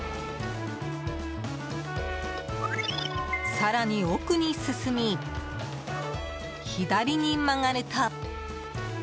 更に奥に進み、左に曲がると。